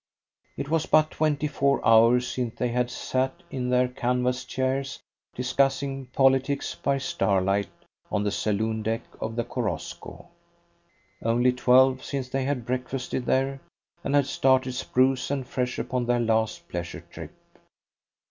It was but twenty four hours since they had sat in their canvas chairs discussing politics by starlight on the saloon deck of the Korosko; only twelve since they had breakfasted there and had started spruce and fresh upon their last pleasure trip.